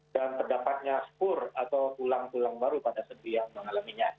dan terdapatnya spur atau tulang tulang baru pada sendi yang mengalaminya